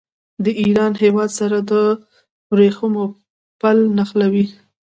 د ایران هېواد سره د ورېښمو پل نښلوي.